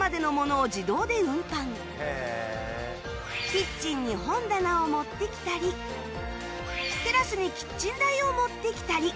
キッチンに本棚を持ってきたりテラスにキッチン台を持ってきたり